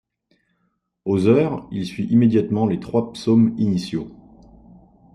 Aux heures, il suit immédiatement les trois psaumes initiaux.